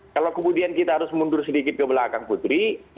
kalau kemudian kita harus mundur sedikit ke belakang putri